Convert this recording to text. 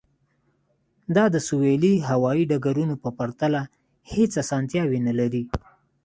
دا د سویلي هوایی ډګرونو په پرتله هیڅ اسانتیاوې نلري